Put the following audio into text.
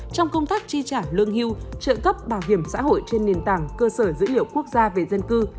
trong công tác chi trả lương hưu trợ cấp bảo hiểm xã hội trên nền tảng cơ sở dữ liệu quốc gia về dân cư